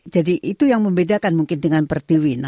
jadi itu yang membedakan mungkin dengan per tv victoria